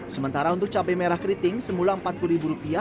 sementara untuk cabai merah keriting semula rp empat puluh